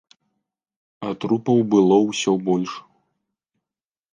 А трупаў было ўсё больш.